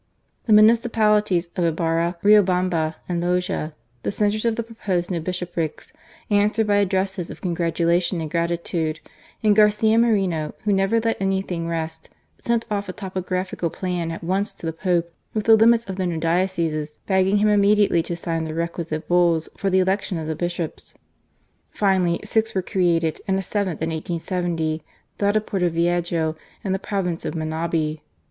The municipalities of Ibarra, Riobamba, and Loja, the centres of the proposed new bishoprics, answered by addresses of congratulation and grati tude, and Garcia Moreno, who never let an3rthing rest, sent off a topographical plan at once to the Poj)e, with the limits of the new dioceses, bulging him immediately to sign the requisite Bulls for the election of the Bishops. Finally, six were created, and a seventh in 1870, that of Porto Viejo in the province of Manabi.